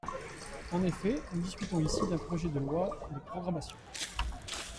En effet, nous discutons ici d’un projet de loi de programmation.